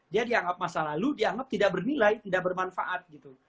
dia dianggap masa lalu dianggap tidak bernilai tidak bermanfaat gitu